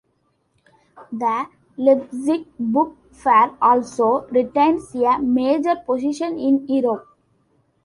The Leipzig Book Fair also retains a major position in Europe.